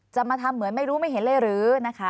จะมาทำเหมือนไม่รู้ไม่เห็นเลยหรือนะคะ